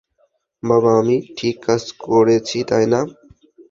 বাবা, আমি ঠিক কাজ করেছি, তাইনা?